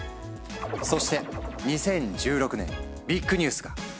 そして２０１６年ビッグニュースが！